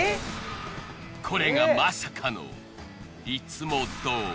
これがまさかのいつも通り。